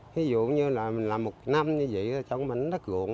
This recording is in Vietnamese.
ví dụ như là mình làm một năm như vậy trong bánh đất ruộng